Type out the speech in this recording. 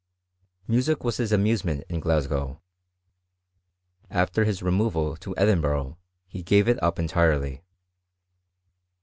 Music was his amuse ment in Glasgow ; after his removal to Edinburgh he gave it up entirely.